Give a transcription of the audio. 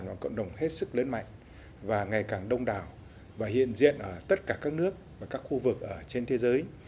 nó cộng đồng hết sức lớn mạnh và ngày càng đông đảo và hiện diện ở tất cả các nước và các khu vực ở trên thế giới